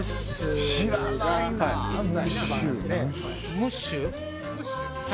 ムッシュ？